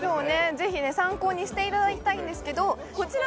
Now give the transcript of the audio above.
ぜひね参考にしていただきたいんですけどこちら